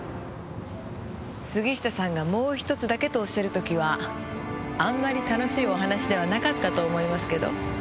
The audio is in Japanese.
杉下さんが「もう１つだけ」とおっしゃる時はあんまり楽しいお話ではなかったと思いますけど。